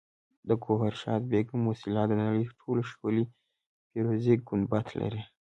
د ګوهرشاد بیګم موسیلا د نړۍ تر ټولو ښکلي فیروزي ګنبد لري